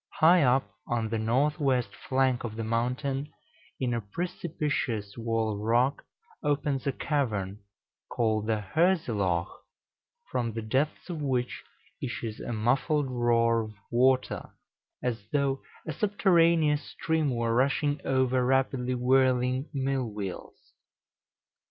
High up on the north west flank of the mountain, in a precipitous wall of rock, opens a cavern, called the Hörselloch, from the depths of which issues a muffled roar of water, as though a subterraneous stream were rushing over rapidly whirling millwheels.